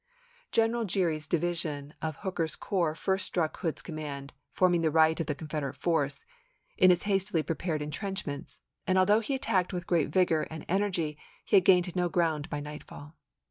General G eary's division of Hooker's corps first struck Hood's command, forming the right of the Confederate force, in its hastily prepared in trenchments, and although he attacked with great vigor and energy he had gained no ground by nightfall.